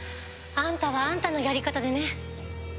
あんたはあんたのやり方でね。